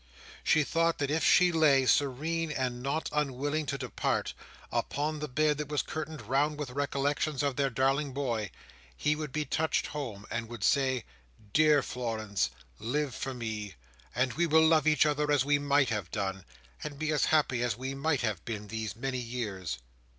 She thought, that if she lay, serene and not unwilling to depart, upon the bed that was curtained round with recollections of their darling boy, he would be touched home, and would say, "Dear Florence, live for me, and we will love each other as we might have done, and be as happy as we might have been these many years!"